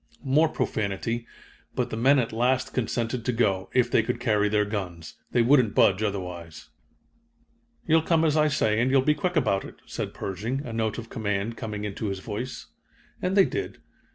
More profanity, but the men at last consented to go, if they could carry their guns. They wouldn't budge otherwise. "You'll come as I say, and you'll be quick about it," said Pershing, a note of command coming into his voice. And they did.